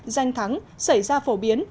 danh thắng xảy ra phổ biến